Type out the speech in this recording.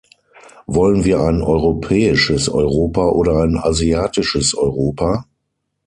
Wollen wir ein europäisches Europa oder ein asiatisches Europa?